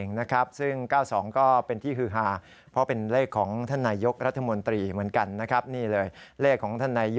ก็คือ๙๒แมนที่ฮืฮาเพราะเป็นเลขของธนายกรัฐมนตรีเหมือนกัน